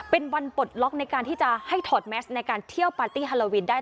เป็นวันปลดล็อกในการที่จะให้ถอดแมสในการเที่ยวปาร์ตี้ฮาโลวินได้